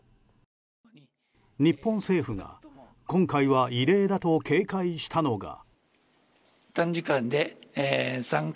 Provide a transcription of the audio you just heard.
日本政府が今回は異例だと警戒したのが。